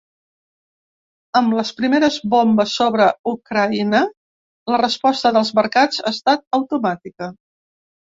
Amb les primeres bombes sobre Ucraïna, la resposta dels mercats ha estat automàtica.